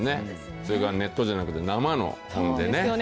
それからネットじゃなくて生の本でね。ですよね。